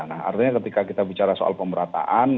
nah artinya ketika kita bicara soal pemerataan